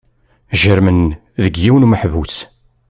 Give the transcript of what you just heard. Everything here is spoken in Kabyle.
Jerrmen deg yiwen umeḥbus.